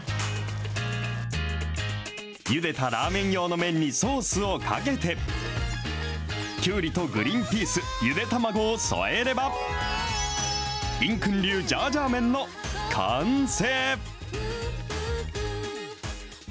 ゆでたラーメン用の麺にソースをかけて、きゅうりとグリーンピース、ゆで卵を添えれば、いんくん流ジャージャー麺の完成。